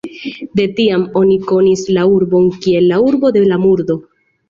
De tiam oni konis la urbon kiel "la urbo de la murdo".